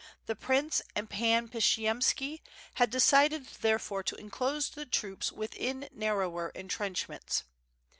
The prince and Pan Pshiyemski had decided therefore to enclose the troops within narrower entrenchments.